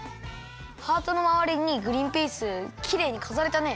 ハートのまわりにグリンピースきれいにかざれたね！